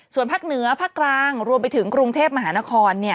ส่วนภาคเหนือภาคกลางรวมไปถึงกรุงเทพมหานคร